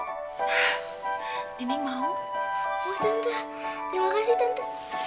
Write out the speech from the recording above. kalo nini kekal di rumah